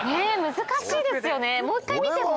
難しいですよねもう一回見ても。